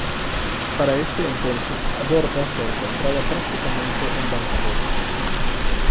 Para este entonces Borda se encontraba prácticamente en bancarrota.